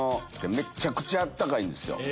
めっちゃくちゃ暖かいんですよ。